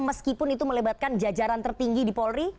meskipun itu melebatkan jajaran tertinggi di polri